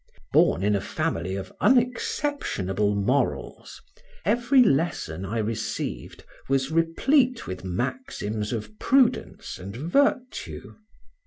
Born in a family of unexceptionable morals, every lesson I received was replete with maxims of prudence and virtue.